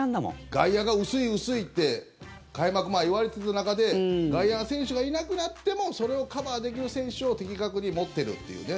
外野が薄い、薄いって開幕前、言われてた中で外野の選手がいなくなってもそれをカバーできる選手を的確に持ってるっていうね。